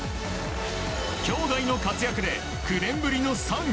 兄弟の活躍で９年ぶりの３位。